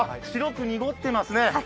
白く濁っていますね。